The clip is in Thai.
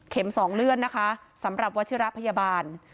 ๒เลื่อนนะคะสำหรับวัชิระพยาบาล